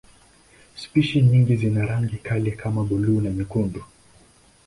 Spishi nyingine zina rangi kali kama buluu na nyekundu.